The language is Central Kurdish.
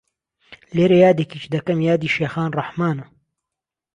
لێرە یادێکیش دەکەم یادی شێخان ڕەحمانە